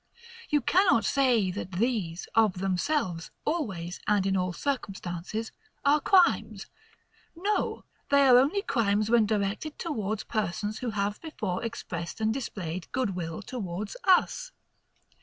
You cannot say that these, of themselves, always, and in all circumstances, are crimes. No, they are only crimes when directed towards persons who have before expressed and displayed good will towards us.